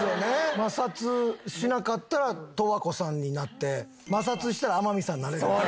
摩擦しなかったら十和子さんになって摩擦したら天海さんになれる。